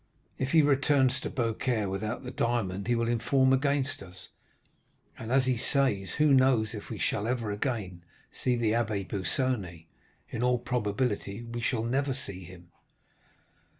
'If he returns to Beaucaire without the diamond, he will inform against us, and, as he says, who knows if we shall ever again see the Abbé Busoni?—in all probability we shall never see him.